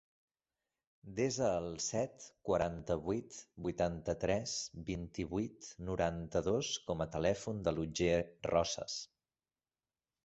Desa el set, quaranta-vuit, vuitanta-tres, vint-i-vuit, noranta-dos com a telèfon de l'Otger Roces.